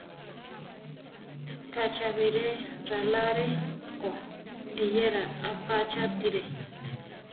Ka cha biré raláre ko; eyéra apachátire.